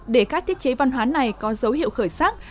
để các thiết chế văn hóa này có dấu hiệu khởi sắc